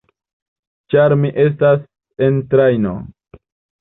Ĉar mi estas en trajno.